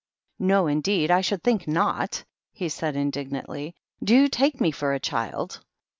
"No, indeed! I should think notj^ he said, indignantly. " Do you take me for a child